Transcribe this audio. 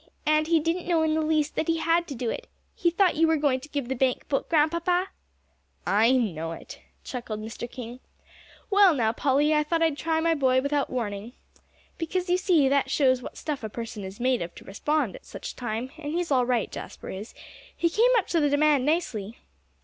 And he didn't know in the least that he had to do it. He thought you were going to give the bank book, Grandpapa." "I know it," chuckled Mr. King. "Well now, Polly, I thought I'd try my boy without warning. Because, you see, that shows what stuff a person is made of to respond at such a time, and he's all right, Jasper is; he came up to the demand nicely."